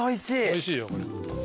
おいしいよこれ。